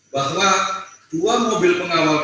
bahwa dua mobil pengawal